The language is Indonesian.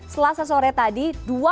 selasa sore tadi